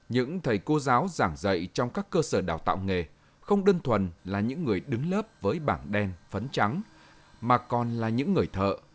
những thầy cô giáo giảng dạy trong các cơ sở đào tạo nghề không đơn thuần là những người đứng lớp với bảng đen phấn trắng mà còn là những người thợ